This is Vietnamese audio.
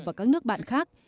và các nước bạn khác